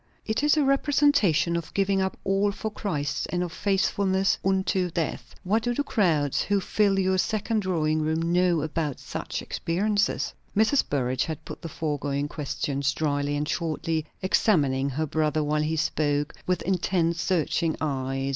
"It is a representation of giving up all for Christ, and of faithfulness unto death. What do the crowds who fill your second drawing room know about such experience?" Mrs. Burrage had put the foregoing questions dryly and shortly, examining her brother while he spoke, with intent, searching eyes.